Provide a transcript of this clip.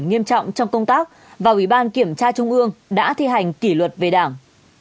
nghiêm trọng trong công tác và ủy ban kiểm tra trung ương đã thi hành kỷ luật về đảng